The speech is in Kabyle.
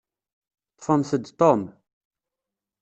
Ṭṭfemt-d Tom.